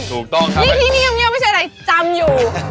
ถูกต้องครับนี่ที่นี่เงียบไม่ใช่อะไรจำอยู่